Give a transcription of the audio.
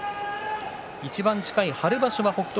いちばん近い春場所は北勝